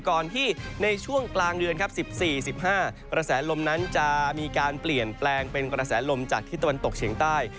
ก่อนที่ในช่วงกลางเดือนครับ๑๔๑๕กระแสลมนั้นจะมีการเปลี่ยนแปลงเป็นกระแสลมจากทิศตะวันตกเฉียงใต้